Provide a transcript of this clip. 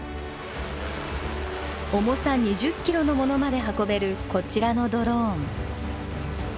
重さ２０キロのものまで運べるこちらのドローン。